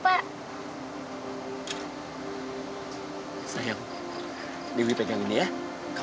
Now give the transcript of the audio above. bapak sayangkan aku